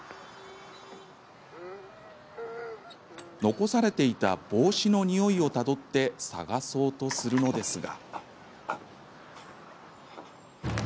残されていた帽子のにおいをたどって探そうとするのですが。